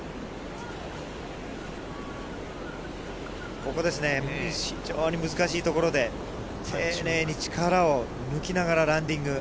ここですね、非常に難しいところで丁寧に力を抜きながら、ランディング。